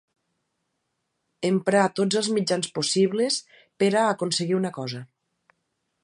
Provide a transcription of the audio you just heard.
Emprar tots els mitjans possibles per a aconseguir una cosa.